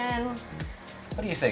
apa yang kamu katakan